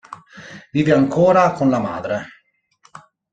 Vive ancora con la madre.